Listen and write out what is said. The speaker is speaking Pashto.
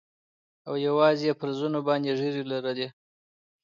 او يوازې يې پر زنو باندې ږيرې لرلې.